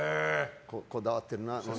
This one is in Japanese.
こだわってるなって。